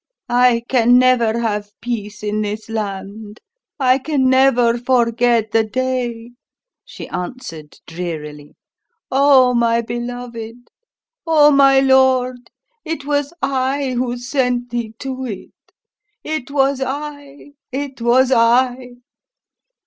"I can never have peace in this land I can never forget the day!" she answered drearily. "Oh, my beloved! Oh, my lord, it was I who sent thee to it it was I, it was I!